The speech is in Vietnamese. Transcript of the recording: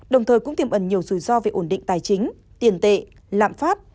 đồng thời cũng tiềm ẩn nhiều rủi ro về ổn định tài chính tiền tệ lạm phát